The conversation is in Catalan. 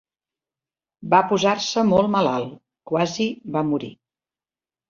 Va posar-se molt malalt, quasi va morir.